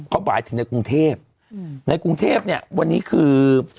เขาหมายถึงในกรุงเทพในกรุงเทพเนี่ยวันนี้คือ